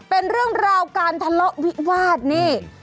เป็นเรื่องราวการทะเลาะวิวาสนี่